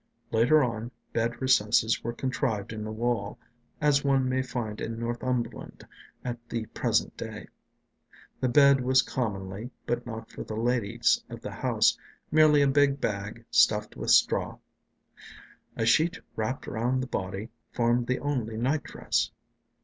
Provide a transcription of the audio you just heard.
Later on, bed recesses were contrived in the wall, as one may find in Northumberland at the present day. The bed was commonly, but not for the ladies of the house, merely a big bag stuffed with straw. A sheet wrapped round the body formed the only night dress.